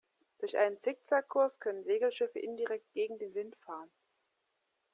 Durch einen Zickzack-Kurs können Segelschiffe indirekt gegen den Wind fahren.